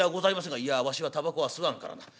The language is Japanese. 「いやわしはたばこは吸わんからな。